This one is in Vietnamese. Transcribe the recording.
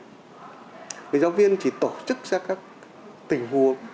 với giáo viên chỉ tổ chức ra các tình huống